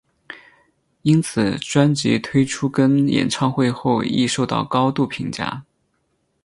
因此专辑推出跟演唱会后亦受到高度评价。